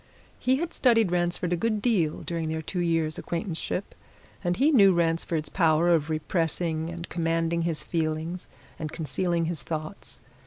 He had studied Ransford a good deal during their two years' acquaintanceship, and he knew Ransford's power of repressing and commanding his feelings and concealing his thoughts.